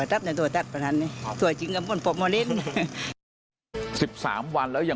ผมไม่กลัวเพราะว่า